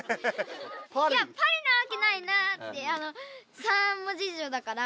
いやパリなわけないなって３文字以上だから。